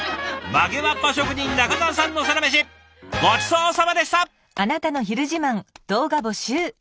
曲げわっぱ職人仲澤さんのサラメシごちそうさまでした！